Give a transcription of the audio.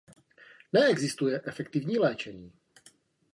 Neexistuje efektivní léčení.